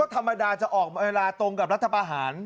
ธรรมดาจะออกเวลาตรงกับรัฐประหาร